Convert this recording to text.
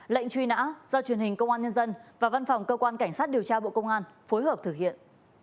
lệnh truy nã do truyền hình công an nhân dân và văn phòng cơ quan cảnh sát điều tra bộ công an phối hợp thực hiện